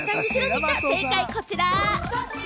正解はこちら。